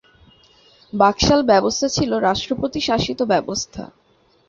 বাকশাল ব্যবস্থা ছিল রাষ্ট্রপতি শাসিত ব্যবস্থা।